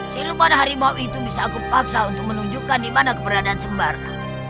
silman harimau itu bisa aku paksa untuk menunjukkan di mana keberadaan sembarka